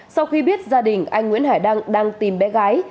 sau khi biết gia đình anh nguyễn hải đăng đang tìm bé gái